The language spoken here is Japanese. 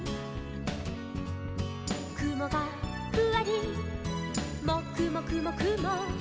「くもがふわりもくもくもくも」